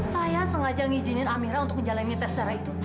saya sengaja ngizinin amira untuk menjalani test